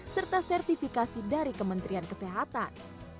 serta sertifikasi dari kementerian kesehatan